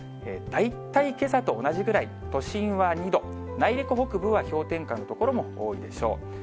大体けさと同じぐらい、都心は２度、内陸北部は氷点下の所も多いでしょう。